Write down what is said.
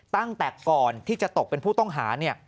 ตั้งแต่ก่อนที่จะตกเป็นผู้ต้องหา